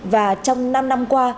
và trong năm năm qua